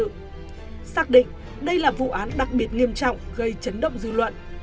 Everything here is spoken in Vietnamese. cơ quan cảnh sát điều tra công an đặc biệt nghiêm trọng gây chấn động dư luận